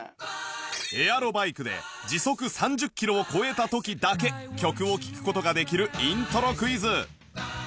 エアロバイクで時速３０キロを超えた時だけ曲を聴く事ができるイントロクイズ